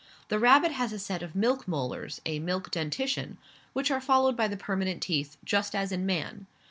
The rabbit has a set of milk molars a milk dentition which are followed by the permanent teeth, just as in man.